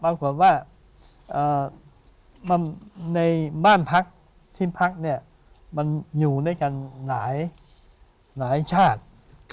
บางคนว่าเอ่อมันในบ้านพักที่พักเนี้ยมันอยู่ด้วยกันหลายหลายชาติค่ะ